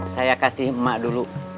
saya kasih emak dulu